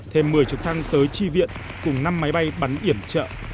thêm một mươi trực thăng tới tri viện cùng năm máy bay bắn iểm trợ